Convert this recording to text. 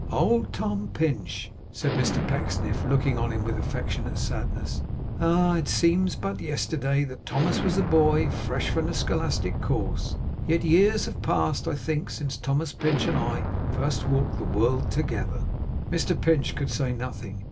'Old Tom Pinch!' said Mr Pecksniff, looking on him with affectionate sadness. 'Ah! It seems but yesterday that Thomas was a boy fresh from a scholastic course. Yet years have passed, I think, since Thomas Pinch and I first walked the world together!' Mr Pinch could say nothing.